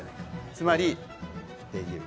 つまり「できる」。